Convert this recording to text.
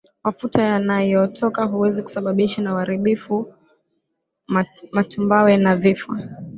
Mafuta yanayotoka huweza kusababisha uharibifu wa matumbawe na vifo